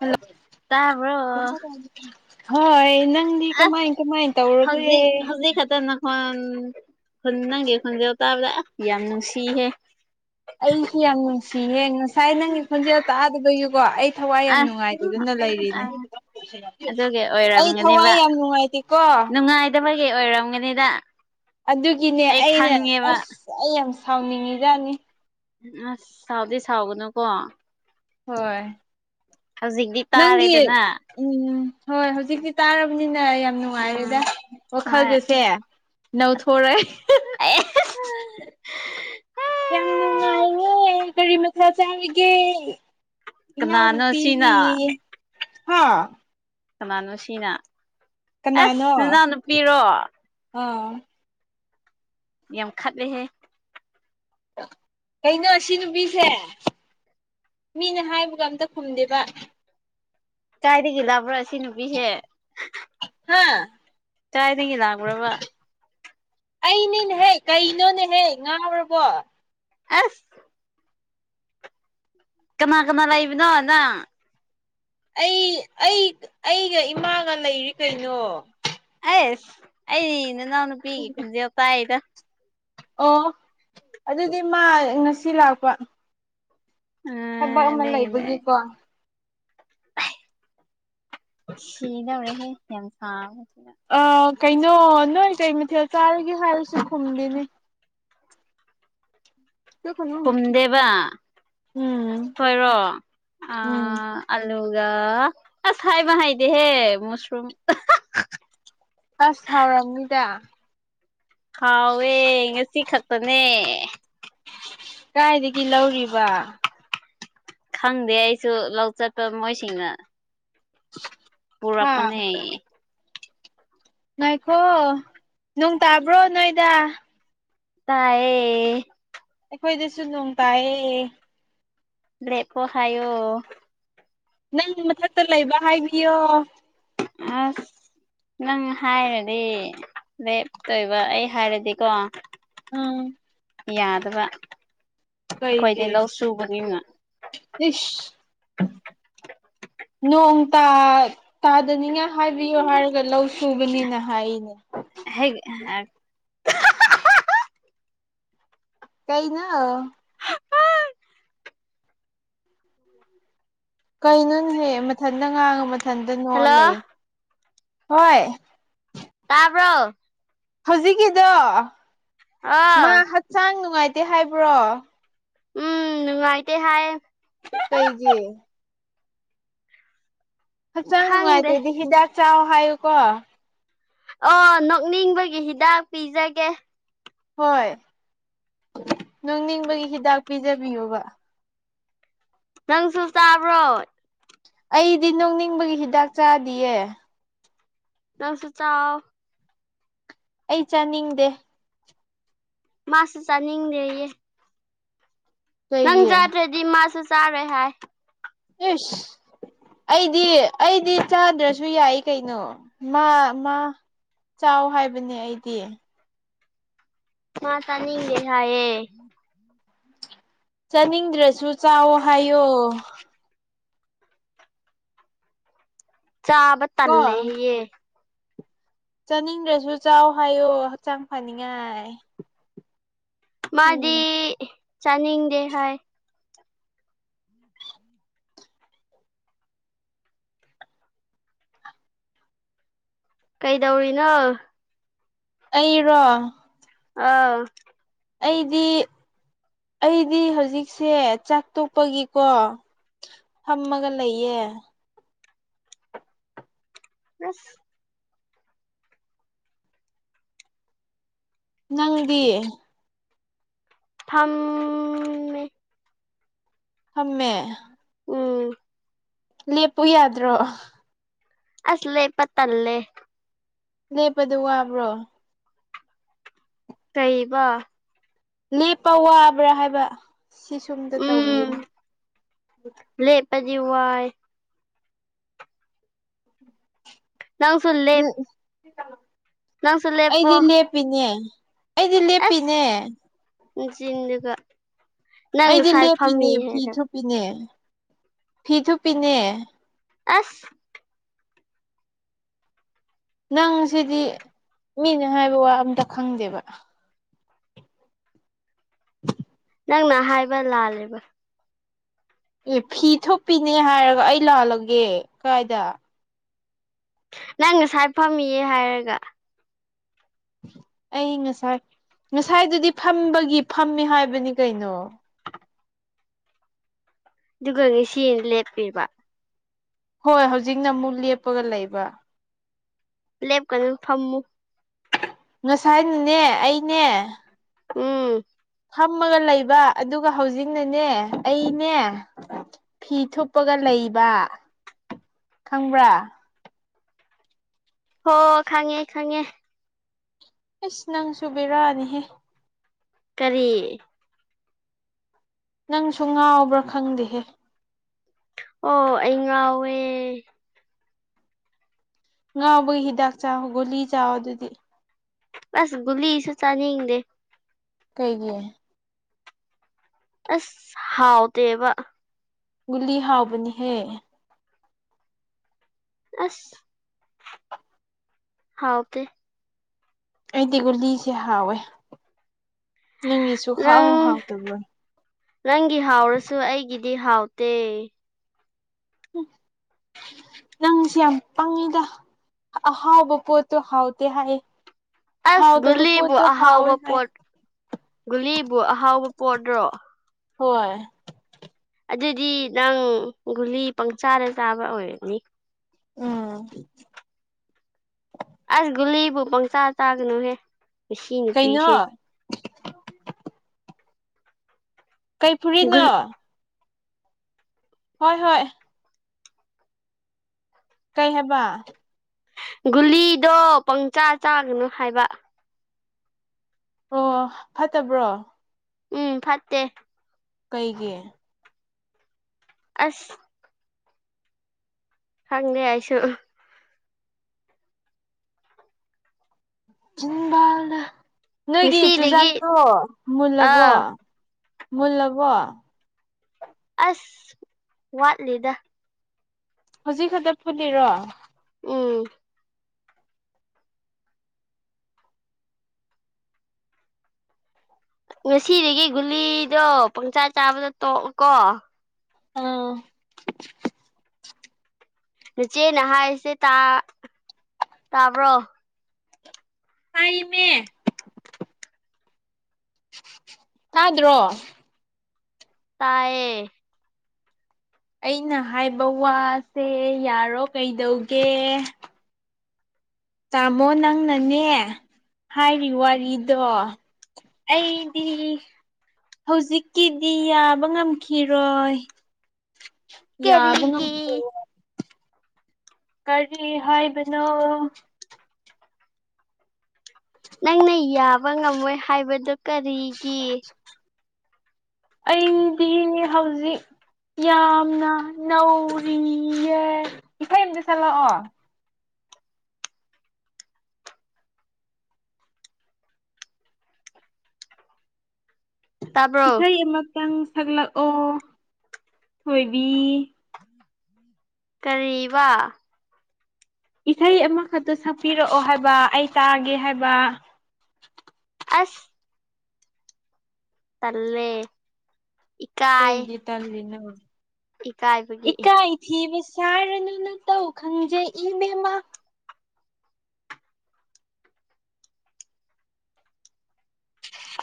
ꯍꯜ ꯇꯥꯕ꯭ꯔꯣ ꯍꯣꯏ ꯅꯪꯗꯤ ꯑꯁ ꯀꯃꯥꯏ ꯀꯃꯥꯏ ꯇꯧꯔꯒꯦ ꯍꯝ ꯁꯨꯝ ꯅꯪꯒꯤ ꯈꯣꯟꯖꯦꯜ ꯇꯥꯕꯗ ꯑꯥ ꯌꯥꯝ ꯅꯨꯡꯁꯤꯍꯦ ꯑꯩꯁꯨ ꯌꯥꯝ ꯅꯨꯡꯁꯤꯍꯦ ꯉꯁ- ꯥꯥꯥ ꯥꯏ ꯅꯪꯒꯤ ꯈꯣꯟꯖꯦꯜ ꯇꯥꯗꯕꯒꯤꯀꯣ ꯑꯩ ꯊꯋꯥꯏ ꯌꯥꯝ ꯑꯁ ꯅꯨꯡꯉꯥꯏꯇꯗꯅ ꯂꯩꯔꯤꯅꯦ ꯑꯗꯨꯒꯤ ꯑꯩ ꯊꯋꯥꯏ ꯌꯥꯝ ꯅꯨꯡꯉꯥꯏꯇꯦꯀꯣ [unintelligible] ꯕꯒꯤ ꯑꯣꯏꯔꯝꯒꯅꯤꯗ ꯑꯗꯨꯒꯤꯅꯦ ꯑꯩ ꯑꯩꯅ ꯈꯪꯉꯦꯕ ꯑꯁ ꯑꯩ ꯌꯥꯝ ꯁꯥꯎꯅꯤꯡꯉꯤꯖꯥꯅꯤ ꯑꯁ ꯁꯥꯎꯗꯤ ꯁꯥꯎꯒꯅꯨꯀꯣ ꯍꯣꯏ ꯍꯧꯖꯤꯛꯇꯤ ꯅꯪꯒꯤ ꯇꯥꯔꯦꯗꯅ ꯎꯝ ꯍꯣꯏ ꯍꯧꯖꯤꯛꯇꯤ ꯇꯥꯔꯕꯅꯤꯅ ꯌꯥꯝ- ꯎꯝ ꯅꯨꯡꯉꯥꯏꯔꯦꯗ ꯍꯣꯏ ꯋꯥꯈꯜꯒꯁꯦ ꯅꯧꯊꯣꯛꯔꯦ [unintelligible] ꯌꯥꯝ ꯅꯨꯡꯉꯥꯏꯌꯦ ꯀꯔꯤ ꯃꯥꯊꯦꯜ ꯆꯥꯔꯒꯦ ꯏꯅꯥꯎ ꯀꯅꯥꯅꯣ ꯁꯤꯅ ꯅꯨꯄꯤꯒꯤ ꯍꯥꯥ ꯀꯅꯥꯅꯣ ꯁꯤꯅ ꯀꯅꯥꯅꯣ ꯑꯁ ꯅꯅꯥꯎ ꯅꯨꯄꯤꯔꯣ ꯑꯥ ꯌꯥꯝ ꯈꯠꯂꯦꯍꯦ ꯀꯩꯅꯣ ꯁꯤ ꯅꯨꯄꯤꯁꯦ ꯃꯤꯅ ꯍꯥꯏꯕꯒ ꯑꯝꯇ ꯈꯨꯝꯗꯦꯕ ꯀꯥꯏꯗꯒꯤ ꯂꯥꯕ꯭ꯔ ꯁꯤ ꯅꯨꯄꯤꯁꯦ ꯍꯥꯥ ꯀꯥꯏꯗꯒꯤ ꯂꯛꯄ꯭ꯔꯕ ꯑꯩꯅꯤꯅꯦꯍꯦ ꯀꯩꯅꯣꯅꯦꯍꯦ ꯉꯥꯎꯔꯕꯣ ꯑꯁ ꯀꯅꯥ ꯀꯅꯥ ꯂꯩꯕꯅꯣ ꯅꯪ ꯑꯩ ꯑꯩ ꯑꯩꯒ ꯏꯃꯥꯒ ꯂꯩꯔꯤ ꯀꯩꯅꯣ ꯑꯩꯁ ꯑꯩꯗꯤ ꯅꯅꯥꯎ ꯅꯨꯄꯤꯒꯤ ꯈꯨꯟꯖꯦꯜ ꯇꯥꯏꯌꯦꯗ ꯑꯣ ꯑꯗꯨꯗꯤ ꯃꯥ ꯉꯁꯤ ꯂꯥꯛꯄ ꯑ ꯊꯕꯛ ꯑꯃ ꯑꯗꯨꯒꯤꯅꯦ ꯂꯩꯕꯒꯤꯀꯣ ꯁꯤꯗꯧꯔꯦꯍꯦ ꯌꯥꯝ ꯁꯥꯥꯕꯁꯤꯗ ꯑꯥ ꯀꯩꯅꯣ ꯅꯣꯏ ꯀꯩ ꯃꯊꯦꯜ ꯆꯥꯔꯒꯦ ꯍꯥꯏꯔꯁꯨ ꯈꯨꯝꯗꯦꯅꯦ ꯈꯨꯝꯗꯦꯕ ꯎꯝ ꯈꯣꯏꯔꯣ ꯑ ꯎꯝ ꯑꯜꯂꯨꯒ ꯑꯁ ꯍꯥꯏꯕ ꯍꯩꯇꯦꯍꯦ ꯃꯁꯔꯨꯝ ꯑꯁ ꯍꯥꯎꯔꯝꯅꯤꯗ ꯍꯥꯎꯋꯦ ꯉꯁꯤ ꯈꯛꯇꯅꯦ ꯀꯥꯏꯗꯒꯤ ꯂꯧꯔꯤꯕ ꯈꯪꯗꯦ ꯑꯩꯁꯨ ꯂꯧ ꯆꯠꯄ ꯃꯣꯏꯁꯤꯡꯅ ꯍꯥꯥ ꯄꯨꯔꯛꯄꯅꯦ ꯉꯥꯏꯈꯣ ꯅꯣꯡ ꯇꯥꯕ꯭ꯔꯣ ꯅꯣꯏꯗ ꯇꯥꯏꯌꯦ ꯑꯩꯈꯣꯏꯗꯁꯨ ꯅꯣꯡ ꯇꯥꯏꯌꯦ ꯂꯦꯞꯈꯣ ꯍꯥꯏꯌꯣ ꯅꯪ ꯃꯊꯛꯇ ꯂꯩꯕ ꯍꯥꯏꯕꯤꯌꯣ ꯑꯁ ꯅꯪ ꯍꯥꯏꯔꯗꯤ ꯂꯦꯞꯇꯣꯏꯕ ꯑꯩ ꯍꯥꯏꯔꯗꯤꯀꯣ ꯎꯝ ꯌꯥꯗꯕ ꯑꯩꯈꯣꯏꯗꯤ ꯀꯩꯒꯤ ꯂꯧ ꯁꯨꯕꯅꯤꯅ ꯏꯁ ꯅꯣꯡ ꯇꯥ ꯇꯥꯗꯅꯤꯉꯥꯏ ꯍꯥꯏꯕꯤꯌꯨ ꯍꯥꯏꯔꯒ ꯂꯧꯁ- ꯁꯨꯕꯅꯤꯅ ꯍꯥꯏꯅꯦ ꯍꯦꯒ [unintelligible] ꯀꯩ ꯅꯣ [unintelligible] ꯀꯩꯅꯅꯦꯍꯦ ꯃꯊꯟꯇ ꯉꯥꯡꯉ ꯃꯊꯟꯇ ꯅꯣꯛꯑ ꯂꯩ ꯍꯜꯂꯣ ꯍꯣꯏ ꯇꯥꯕ꯭ꯔꯣ ꯍꯧꯖꯤꯛꯀꯤꯗꯣ ꯃꯥ ꯑꯣ ꯍꯛꯆꯥꯡ ꯅꯨꯡꯉꯥꯏꯇꯦ ꯍꯥꯏꯕ꯭ꯔꯣ ꯎꯝ ꯅꯨꯉꯥꯏꯇꯦ ꯍꯥꯏꯌꯦ ꯀꯩꯒꯤ ꯍꯛꯆꯥꯡ ꯈꯪꯗꯦ ꯅꯨꯡꯉꯥꯏꯇ꯭ꯔꯗꯤ ꯍꯤꯗꯥꯛ ꯆꯥꯎ ꯍꯥꯏꯌꯨꯀꯣ ꯑꯣ ꯅꯣꯛꯅꯤꯡꯕꯒꯤ ꯍꯤꯗꯥꯛ ꯄꯤꯖꯒꯦ ꯍꯣꯏ ꯅꯣꯛꯅꯤꯡꯕꯒꯤ ꯍꯤꯗꯥꯛ ꯄꯤꯖꯕꯤꯌꯣꯕ ꯅꯪꯁꯨ ꯆꯥꯕ꯭ꯔꯣ ꯑꯩꯗꯤ ꯅꯣꯛꯅꯤꯡꯕꯒꯤ ꯍꯤꯗꯥꯛ ꯆꯥꯗꯤꯌꯦ ꯅꯪꯁꯨ ꯆꯥꯎ ꯑꯩ ꯆꯥꯅꯤꯡꯗꯦ ꯃꯥꯁꯨ ꯆꯥꯅꯤꯡꯗꯦꯌꯦ ꯅꯪ ꯀꯩꯒꯤ ꯆꯥꯗ꯭ꯔꯗꯤ ꯃꯥꯁꯨ ꯆꯥꯔꯣꯏ ꯍꯥꯏ ꯏꯁ ꯑꯩꯗꯤ ꯑꯩꯗꯤ ꯆꯥꯗ꯭ꯔꯁꯨ ꯌꯥꯏ ꯀꯩꯅꯣ ꯃꯥ ꯃꯥ ꯆꯥꯎ ꯍꯥꯏꯕꯅꯦ ꯑꯩꯗꯤ ꯃꯥ ꯆꯅꯤꯡꯗꯦ ꯍꯥꯏꯑꯦ ꯆꯥꯅꯤꯡꯗ꯭ꯔꯁꯨ ꯆꯥꯎꯋꯣ ꯍꯥꯏꯌꯣ ꯆꯥꯕ ꯀꯣ ꯇꯜꯂꯦ ꯍꯌꯦ ꯆꯥꯅꯤꯡꯗ꯭ꯔꯁꯨ ꯆꯥꯎ ꯍꯥꯏꯌꯣ ꯍꯛꯆꯥꯡ ꯐꯅꯤꯡꯉꯥꯏ ꯎꯝ ꯃꯥꯗꯤ ꯆꯥꯅꯤꯡꯗꯦ ꯍꯥꯏ ꯀꯩꯗꯧꯔꯤꯅꯣ ꯑꯩꯔꯣ ꯑꯥꯎ ꯑꯩꯗꯤ ꯑꯩꯗꯤ ꯍꯧꯖꯤꯛꯁꯦ ꯆꯥꯛ ꯇꯣꯛꯄꯒꯤꯀꯣ ꯐꯝꯃꯒ ꯂꯩꯌꯦ ꯑꯁ ꯅꯪꯗꯤ ꯐꯝꯃꯤ ꯐꯝꯃꯦ ꯎꯝ ꯂꯦꯞꯄꯨ ꯌꯥꯗ꯭ꯔꯣ ꯑꯁ ꯂꯦꯞꯄ ꯇꯜꯂꯦ ꯂꯦꯞꯄꯗꯨ ꯋꯥꯕ꯭ꯔꯣ ꯀꯩꯕꯣ ꯂꯦꯞꯄ ꯋꯥꯕ꯭ꯔꯥ ꯍꯥꯏꯕ ꯁꯤꯁꯨꯝꯗ ꯇꯧꯕꯤꯌꯨꯅꯦ ꯂꯦꯄꯗꯤ ꯋꯥꯏ ꯅꯪꯁꯨ ꯂꯦꯞ ꯎꯝ ꯅꯪꯁꯨ ꯂꯦꯞꯄꯣ ꯑꯩꯗꯤ ꯂꯦꯄꯤꯅꯦ ꯑꯩꯗꯤ ꯑꯁ ꯂꯦꯞꯄꯤꯅꯦ ꯅꯆꯤꯟꯗꯨꯒ ꯅꯪ ꯉꯁꯥꯏ ꯐꯝꯃꯤ ꯍꯥꯏꯔꯒ ꯄꯤꯅꯦ ꯐꯤ ꯊꯨꯞ ꯄꯤꯅꯦ ꯑꯁ ꯅꯪ ꯁꯤꯗꯤ ꯃꯤꯅꯦ ꯍꯥꯏꯕ ꯋꯥ ꯑꯝꯇ ꯈꯪꯗꯦꯕ ꯅꯪꯅ ꯍꯥꯏꯕ ꯂꯥꯜꯂꯦꯕ ꯑꯦ ꯐꯤ ꯊꯨꯞꯄꯤꯅꯦ ꯍꯥꯏꯔꯒ ꯑꯩ ꯂꯥꯜꯂꯒꯦ ꯀꯥꯏꯗ ꯅꯪ ꯉꯁꯥꯏ ꯐꯝꯃꯤꯌꯦ ꯍꯥꯏꯔꯒ ꯑꯩ ꯉꯁꯥꯏ ꯉꯁꯥꯏꯗꯨꯗꯤ ꯐꯝꯕꯒꯤ ꯐꯝꯃꯦ ꯍꯥꯏꯕꯅꯤ ꯀꯩꯅꯣ ꯗꯨꯒ ꯉꯁꯤꯅ ꯂꯦꯞꯄꯤꯕ ꯍꯣꯏ ꯍꯧꯖꯤꯛꯅ ꯃꯨꯛ ꯂꯦꯞꯄꯒ ꯂꯩꯕ ꯂꯦꯞ ꯀꯅꯨ ꯐꯝꯃꯨ ꯉꯁꯥꯏꯅꯅꯦ ꯑꯩꯅꯦ ꯎꯝ ꯐꯝꯃꯒ ꯂꯩꯕ ꯑꯗꯨꯒ ꯍꯧꯖꯤꯛꯅꯅꯦ ꯑꯩꯅꯦ ꯐꯤ ꯊꯨꯞꯄꯒ ꯂꯩꯕ ꯈꯪꯕ꯭ꯔꯥ ꯍꯣ ꯈꯪꯉꯦ ꯈꯪꯉꯦ ꯏꯁ ꯅꯪꯁꯨꯨ ꯕꯦꯔꯅꯤꯍꯦ ꯀꯔꯤ ꯅꯪꯁꯨ ꯉꯥꯎꯕ꯭ꯔꯥ ꯈꯪꯗꯦꯍꯦ ꯑꯣ ꯑꯩ ꯉꯥꯎꯋꯦ ꯉꯥꯎꯕꯒꯤ ꯍꯤꯗꯥꯛ ꯆꯥꯎ ꯒꯨꯂꯤ ꯆꯥꯎ ꯑꯗꯨꯗꯤ ꯑꯁ ꯒꯨꯂꯤꯁꯨ ꯆꯅꯤꯡꯗꯦ ꯀꯩꯒꯤ ꯑꯁ ꯍꯥꯎꯇꯦꯕ ꯒꯨꯂꯤ ꯍꯥꯎꯕꯅꯤꯍꯦ ꯑꯁ ꯍꯥꯎꯇꯦ ꯑꯩꯗꯤ ꯒꯨꯂꯤꯁꯦ ꯍꯥꯎꯋꯦ ꯅꯪꯒꯤꯁꯨ ꯍꯥꯎ ꯅꯪ ꯍꯥꯎꯇꯕ꯭ꯔꯣ ꯅꯪꯒꯤ ꯍꯥꯎꯔꯁꯨ ꯑꯩꯒꯤꯗꯤ ꯍꯥꯎꯇꯦ [inaudible] ꯅꯪꯁꯦ ꯌꯥꯝ ꯄꯪꯉꯤꯗ ꯍꯥ ꯑꯍꯥꯎꯕ ꯄꯣꯠꯇꯣ ꯍꯥꯎꯇꯦ ꯍꯥꯏꯌꯦ ꯑꯁ ꯒꯨꯂꯤꯕꯨ ꯍꯥꯎꯋꯦ ꯑꯍꯥꯎꯕ ꯍꯥꯏ ꯄꯣꯠ ꯒꯨꯂꯤꯕꯨ ꯑꯍꯥꯎꯕ ꯄꯣꯠꯔꯣ ꯍꯣꯏ ꯑꯗꯨꯗꯤ ꯅꯪ ꯒꯨꯂꯤ ꯄꯪꯆꯥꯗ ꯆꯥꯕ ꯑꯣꯏꯔꯝꯅꯤ ꯎꯝ ꯑꯁ ꯒꯨꯂꯤꯕꯨ ꯄꯪꯆꯥ ꯆꯥꯒꯅꯨꯍꯦ ꯃꯁꯤ ꯀꯩꯅꯣ ꯅꯨꯄꯤꯁꯦ ꯀꯩ ꯐꯨꯔꯤꯠꯅꯣ ꯍꯣꯏ ꯍꯣꯏ ꯀꯩ ꯍꯥꯏꯕ ꯒꯨꯂꯤꯗꯣ ꯄꯪꯆꯥ ꯆꯥꯒꯅꯨ ꯍꯥꯏꯕ ꯑꯣ ꯑꯣ ꯐꯠꯇꯕ꯭ꯔꯣ ꯎꯝ ꯐꯠꯇꯦ ꯀꯩꯒꯤ ꯑꯁ ꯈꯪꯗꯦ ꯑꯩꯁꯨ [unintelligible] ꯅꯣꯏꯒꯤ ꯉꯁꯤꯗꯒꯤ ꯆꯨꯖꯥꯛꯇꯣ ꯃꯨꯜꯂꯕꯣ ꯑꯥ ꯃꯨꯜꯂꯕꯣ ꯑꯁ ꯋꯥꯠꯂꯤꯗꯥ ꯍꯧꯖꯤꯛ ꯈꯛꯇ ꯐꯨꯠꯂꯤꯔꯣ ꯎꯝ ꯉꯁꯤꯗꯒꯤ ꯒꯨꯂꯤꯗꯣ ꯄꯪꯁꯥ ꯆꯥꯕꯗꯣ ꯇꯣꯛꯑꯣꯀꯣ ꯑꯧ [unintelligible] ꯅꯆꯦꯅ ꯍꯥꯏꯔꯤꯁꯦꯇꯥꯔ ꯇꯥꯕ꯭ꯔꯣ ꯇꯥꯏꯌꯦꯃꯦ [unintelligible] ꯇꯥꯗ꯭ꯔꯣ ꯇꯥꯌꯦ ꯑꯩꯅ ꯍꯥꯏꯕ ꯋꯥꯁꯦ ꯌꯥꯔꯣ ꯀꯩꯗꯧꯒꯦ ꯇꯥꯃꯣ ꯅꯪꯅꯅꯦ ꯍꯥꯏꯔꯤ ꯋꯥꯔꯤꯗꯣ ꯑꯩꯗꯤ ꯍꯧꯖꯤꯛꯀꯤꯗꯤ ꯌꯥꯕ ꯉꯝꯈꯤꯔꯣꯏ ꯌꯥꯕ ꯀꯔꯤꯒꯤ ꯉꯝꯈꯤꯔꫭ ꯀꯔꯤ ꯍꯥꯏꯕꯅꯣ ꯅꯪꯅ ꯌꯥꯕ ꯉꯝꯃꯣꯏ ꯍꯥꯏꯕꯗꫭ ꯀꯔꯤꯒꯤ ꯑꯩꯗꯤ ꯍꯧꯖꯤꯛ ꯌꯥꯝꯅ ꯅꯧꯔꯤꯌꯦ ꯏꯁꯩ ꯑꯝꯇ ꯆꯛꯂꯛꯑꯣ ꯇꯥꯕ꯭ꯔꯣ ꯏꯁꯩ ꯑꯃꯇꯪ ꯁꯛꯂꯛꯑꯣ ꯊꯣꯏꯕꯤ ꯀꯔꯤꯕꯥ ꯏꯁꯩ ꯑꯃꯈꯛꯇ ꯁꯛꯄꯤꯔꯛꯑꯣ ꯍꯥꯏꯕ ꯑꯩ ꯇꯥꯒꯦ ꯍꯥꯏꯕ ꯑꯁ ꯇꯜꯂꯦ ꯏꯀꯥꯏ ꯀꯩꯒꯤ ꯇꯜꯂꯤꯅꯣ ꯏꯀꯥꯏꯕꯒꯤ ꯏꯀꯥꯏ ꯊꯤꯕ ꯁꯥꯥꯔꯅꯨ ꯅꯇꯧ ꯈꯪꯖꯩ ꯏꯕꯦꯝꯃ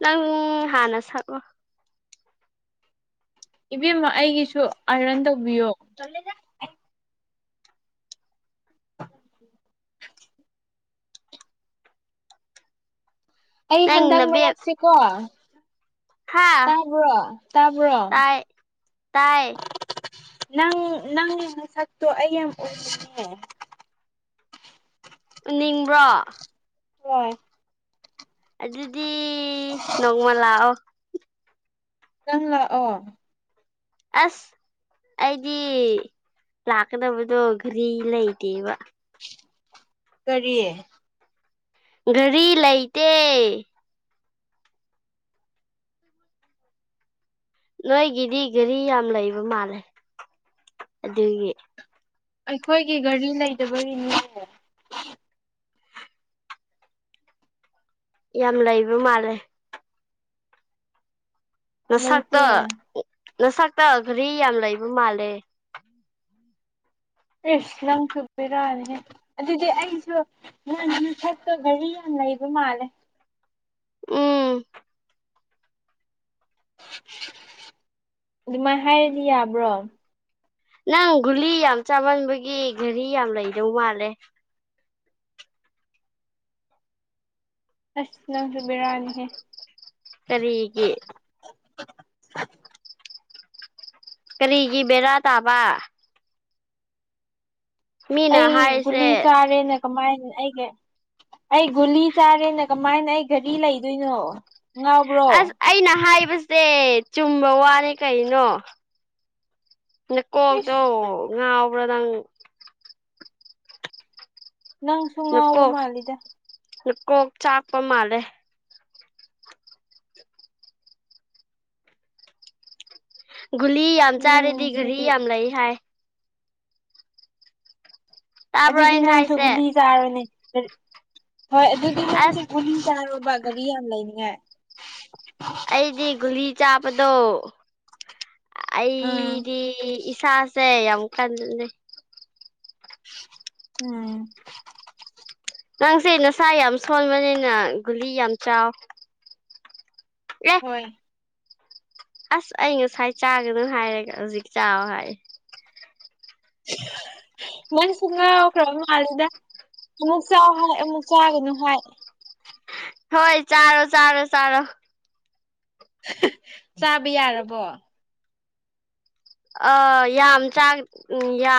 ꯅꯪ ꯍꯥꯟꯅ ꯁꯛꯑꫭ ꯏꯕꯦꯝꯃ ꯑꯩꯒꯤꯁꯨ ꯑꯥꯏꯔꯟ ꯇꯧꯕꯤꯌꯣ [unintelligible] [inaudible] ꯑꯩ ꯅꯪ ꯍꯟꯗꯛ ꯅꯕꯦꯝ ꯃꯔꯛꯁꯦꯀꯣ ꯍꯥ ꯇꯥꯕ꯭ꯔꯣ ꯇꯥꯕ꯭ꯔꯣ ꯇꯥꯏ ꯇꯥꯏ [unintelligible] [unintelligible] ꯅꯪ ꯅꯪꯒꯤ ꯃꯁꯛꯇꯣ ꯑꯩ ꯌꯥꯝ ꯑꫭꯏꯅꯤꯡꯉꯦ [unintelligible] ꯎꯅꯤꯡꯕ꯭ꯔꫭ ꯍꯣꯏ ꯑꯗꯨꯗꯤ ꯅꯣꯡꯃ ꯂꯥꯛꯑꯣ ꯅꯪ ꯂꯥꯛꯑꯣ ꯑꯁ ꯑꯩꯗꯤ ꯂꯥꯛꯀꯗꯕꯗꯣ ꯘꯔꯤ ꯂꯩꯇꯦꯕ ꯀꯔꯤ ꯘꯔꯤ ꯂꯩꯇꯦ ꯅꯣꯏꯒꯤꯗꯤ ꯘꯔꯤ ꯌꯥꯝ ꯂꯩꯕ ꯃꯥꯜꯂꯦ ꯑꯗꯨꯒꯤ ꯑꯩꯈꯣꯏꯒꯤ ꯒꯔꯤ ꯂꯩꯇꯕꯒꯤꯅꯦ [unintelligible] ꯌꯥꯝ ꯂꯩꯕ ꯃꯥꯜꯂꯦ ꯅꯁꯛꯇ ꯂꯩꯇꯦ ꯅꯁꯛꯇꫭ ꯘꯔꯤ ꯌꯥꯝ ꯂꯩꯕ ꯃꯥꯜꯂꯦ ꯏꯁ ꯅꯪꯁꯨ ꯕꯦꯔꯥꯅꯤꯍꯦ ꯑꯗꯨꯗꯤ ꯑꯩꯁꯨ ꯅꯥꯟꯅ ꯅꯁꯛꯇꫭ ꯘꯔꯤ ꯌꯥꯝ ꯂꯩꯕ ꯃꯥꯜꯂꯦ ꯎꯝ ꯑꯗꯨꯃꯥꯏꯅ ꯍꯥꯏꯔꯗꯤ ꯌꯥꯕ꯭ꯔꯣ ꯅꯪ ꯒꯨꯂꯤ ꯌꯥꯝ ꯆꯥꯃꯟꯕꯒꯤ ꯘꯔꯤ ꯌꯥꯝ ꯂꯩꯗꯧ ꯃꯥꯜꯂꯦ ꯑꯁ ꯅꯪꯁꯨ ꯕꯦꯔꯥꯅꯤꯍꯦ ꯀꯔꯤꯒꯤ ꯀꯔꯤꯒꯤ ꯕꯦꯔꯥ ꯇꯥꯕ ꯃꯤꯅ ꯑꯩ ꯒꯨꯂꯤ ꯍꯥꯏꯔꯤꯁꯦ ꯆꯥꯔꯦꯅꯛ ꯀꯃꯥꯏꯅ ꯑꯩꯒ ꯑꯩ ꯒꯨꯂꯤ ꯆꯥꯔꯦꯅ ꯀꯃꯥꯏꯅ ꯑꯩ ꯘꯔꯤ ꯂꯩꯗꯣꯏꯅꯣ ꯉꯥꯎꯕ꯭ꯔꯣ ꯑꯁ ꯑꯩꯅ ꯍꯥꯏꯕꯁꯦ ꯆꯨꯝꯕ ꯋꯥꯅꯦ ꯀꯩꯅꯣ ꯏꯁ ꯅꯀꯣꯛꯇꯣ ꯉꯥꯎꯕ꯭ꯔꫭ ꯅꯪ ꯅꯪꯁꯨ ꯉꯥꯎꯕ ꯅꯀꯣꯛ ꯃꯥꯜꯂꯤꯗ ꯅꯀꯣꯛ ꯆꯥꯛꯄ ꯃꯥꯜꯂꯦ ꯒꯨꯂꯤ ꯌꯥꯝ ꯆꯥꯔꯗꯤ ꯘꯔꯤ ꯅꯪꯁꯤꯗꯤ ꯌꯥꯝ ꯂꯩ ꯍꯥꯏ ꯇꯥꯕ꯭ꯔꯣ ꯑꯗꯨꯗꯤ ꯑꯩꯅ ꯅꯪꯁꯨ ꯍꯥꯏꯁꯦ ꯒꯨꯂꯤ ꯆꯥꯔꯣꯅꯦ [unintelligible] ꯍꯣꯏ ꯑꯗꯨꯗꯤ ꯅꯪꯁꯨ ꯑꯁ ꯒꯨꯂꯤ ꯆꯥꯔꯣꯕ ꯒꯥꯔꯤ ꯌꯥꯝ ꯂꯩꯅꯤꯡꯉꯦ ꯑꯩꯗꯤ ꯒꯨꯂꯤ ꯆꯥꯕꯗꯣ ꯑꯥ ꯑꯩꯗꯤ ꯏꯁꯥ ꯑꯦ ꯌꯥꯝ ꯀꯟꯂꯦ ꯎꯝ ꯅꯪꯁꯦ ꯅꯁꯥ ꯌꯥꯝ ꯁꯣꯟꯕꯅꯤꯅ ꯒꯨꯂꯤ ꯌꯥꯝ ꯆꯥꯎ ꯑꯦ ꯑꯩ ꯑꯁ ꯑꯩ ꯉꯁꯥꯏ ꯆꯥꯒꯅꯣ ꯍꯥꯏꯔꯒ ꯍꯧꯖꯤꯛ ꯆꯥꯎ ꯍꯥꯏ ꯅꯪꯁꯨ ꯉꯥꯎꯈ꯭ꯔꯕ ꯃꯥꯜꯂꯦꯗ ꯑꯃꯨꯛ ꯆꯥꯎ ꯍꯥꯏ ꯑꯃꯨꯛ ꯆꯥꯒꯅꯨ ꯍꯥꯏ ꯍꯣꯏ ꯆꯥꯔꯣ ꯆꯥꯔꯣ ꯆꯥꯔꯣ ꯆꯥꯕ ꯌꯥꯔꯕꯣ ꯑꯥ ꯌꯥꯝ ꯆꯥ ꯑꯥ ꯌꯥꯝ